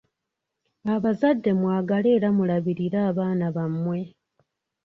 Abazadde mwagale era mulabirire abaana bammwe.